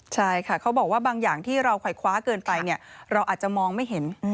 ใช่ค่ะเขาบอกว่าบางอย่างที่เราค่อยคว้าเกินไปเราอาจจะมองไม่เห็น